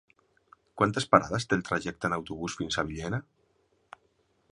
Quantes parades té el trajecte en autobús fins a Villena?